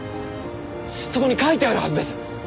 そこに書いてあるはずです。